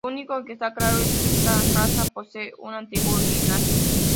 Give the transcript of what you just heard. Lo único que está claro es que esta raza posee un antiguo linaje.